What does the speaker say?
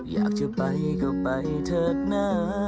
อยากจะไปก็ไปเถิดนะ